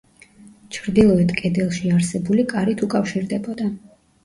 ჩრდილოეთ კედელში არსებული კარით უკავშირდებოდა.